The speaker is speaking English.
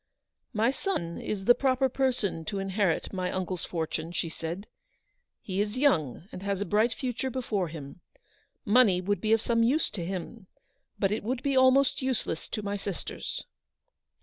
"My son is the proper person to inherit my uncle's fortune/' she said ;" he is young, and has a bright future before him. Money would be of some use to him; but it would be almost useless to my sisters."